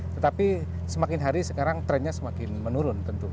tetapi semakin hari sekarang trendnya semakin menurun tentu